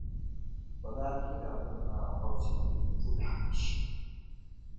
O daa piila bunyama kɔbisiyi mini bulahi pishi.